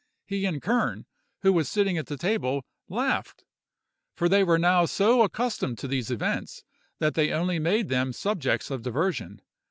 He and Kern, who was sitting at the table, laughed, for they were now so accustomed to these events that they only made them subjects of diversion.